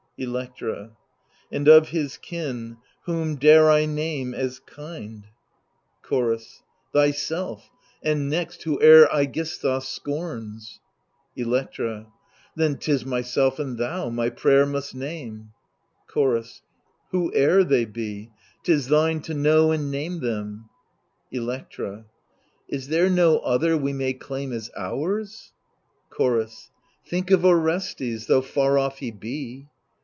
Electra And of his kin whom dare I name as kind ? 86 THE LIBATION BEARERS Chorus Thyself; and next, whoe'er ^gisthus scorns. Electra Then 'tis myself and thou, my prayer must name. Chorus Whoe'er they be, 'tis thine to know and name them. Electra Is there no other we may claim as ours ? Chorus Think of Orestes, though far off he be.